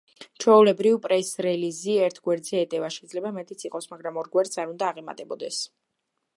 ჩვეულებრივ, პრეს-რელიზი ერთ გვერდზე ეტევა, შეიძლება მეტიც იყოს, მაგრამ ორ გვერდს არ უნდა აღემატებოდეს.